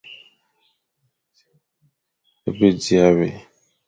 É be dia wé,